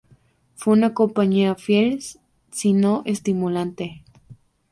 Fue una compañía fiel, si no estimulante.